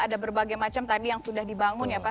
ada berbagai macam tadi yang sudah dibangun ya pak